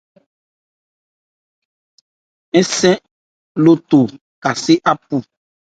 Àkhɛ́ étɔ lé mɛ́n nman nó bíjan.